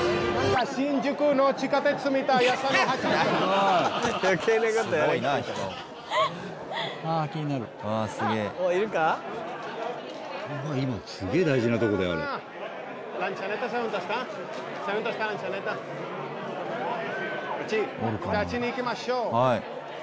あっちに行きましょう。